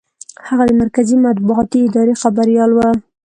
هغه د مرکزي مطبوعاتي ادارې خبریال و.